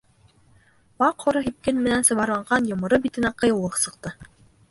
Ваҡ һоро һипкел менән сыбарланған йомро битенә ҡыйыулыҡ сыҡты.